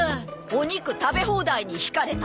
お肉食べ放題に引かれた！